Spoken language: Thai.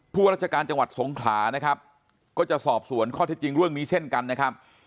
ผู้รัชการจังหวัดสมขานะครับก็จะสอบส่วนข้อที่จริงร่วมนี้เช่นกันนะครับ